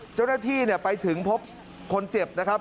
เจ้าหน้าที่ไปถึงพบคนเจ็บนะครับ